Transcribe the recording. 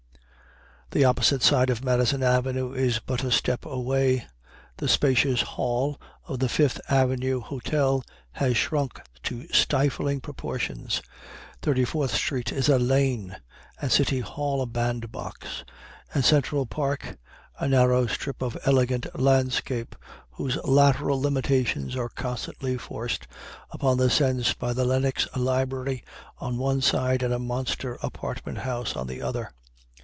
The opposite side of Madison Square is but a step away. The spacious hall of the Fifth Avenue Hotel has shrunk to stifling proportions. Thirty fourth Street is a lane; the City Hall a bandbox; the Central Park a narrow strip of elegant landscape whose lateral limitations are constantly forced upon the sense by the Lenox Library on one side and a monster apartment house on the other.